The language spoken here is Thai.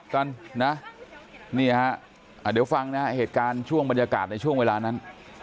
กันนะนี่ฮะเดี๋ยวฟังนะฮะเหตุการณ์ช่วงบรรยากาศในช่วงเวลานั้น